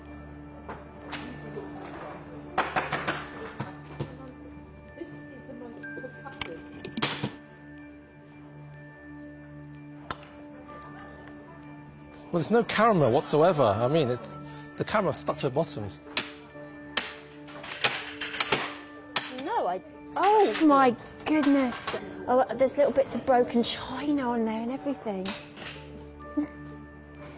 はい。